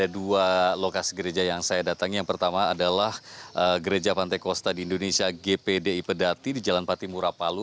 dua lokasi gereja yang saya datangi yang pertama adalah gereja pantai kosta di indonesia gpdi pedati di jalan patimura palu